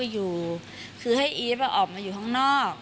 อยู่อีฟก็ออกมาอยู่ข้างนอก